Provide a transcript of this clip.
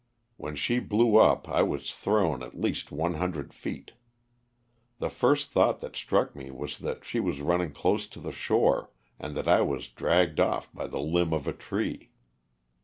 When she blew up I was thrown at least one hundred feet. The first thought that struck me was that she was running close to the shore and that I was dragged off by the limb of a tree.